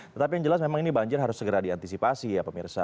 tetapi yang jelas memang ini banjir harus segera diantisipasi ya pemirsa